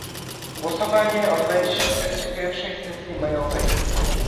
Głosowanie odbędzie się w trakcie pierwszej sesji majowej